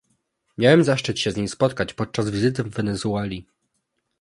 Miałem zaszczyt się z nim spotkać podczas wizyty w Wenezueli